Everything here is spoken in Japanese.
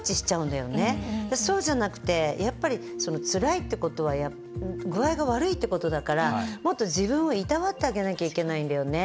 そうじゃなくてやっぱりつらいってことは具合が悪いということだからもっと自分をいたわってあげなきゃいけないんだよね。